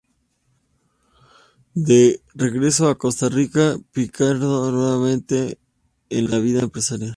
De regreso en Costa Rica participó activamente en la vida empresarial.